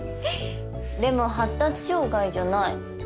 でも発達障害じゃない。